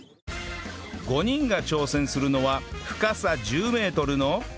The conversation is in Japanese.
５人が挑戦するのは深さ１０メートルの